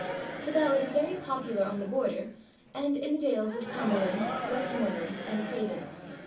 The ballad is very popular on the Border, and in the dales of Cumberland, Westmoreland, and Craven.